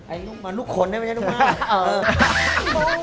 ไอลูกหมาลูกขนไม่ใช่ลูกหมา